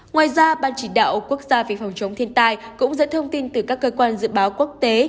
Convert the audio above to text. ngoài ra ban chỉ đạo quốc gia về phòng chống thiên tai cũng dẫn thông tin từ các cơ quan dự báo quốc tế